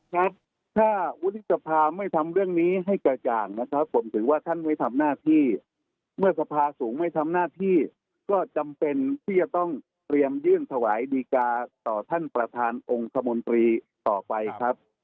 ครับถ้าวุฒิสภาไม่ทำเรื่องนี้ให้กระจ่างนะครับผมถือว่าท่านไม่ทำหน้าที่เมื่อสภาสูงไม่ทำหน้าที่ก็จำเป็นที่จะต้องเตรียมยื่นถวายดีกาต่อท่านประธานองค์คมนตรีต่อไปครับ